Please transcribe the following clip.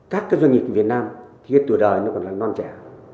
các cái doanh nghiệp việt nam cái tuổi đời nó còn là non trẻ